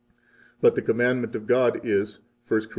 19 But the commandment of God is 1 Cor.